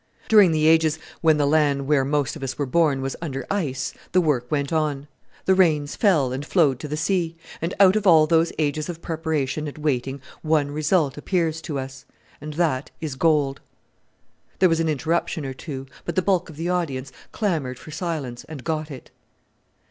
During the ages when the land where most of us were born was under ice the work went on: the rains fell and flowed to the sea; and out of all those ages of preparation and waiting one result appears to us, and that is gold." There was an interruption or two; but the bulk of the audience clamoured for silence, and got it.